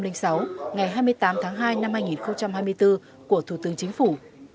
ngày hai mươi tám tháng hai năm hai nghìn hai mươi bốn của thủ tướng chính phủ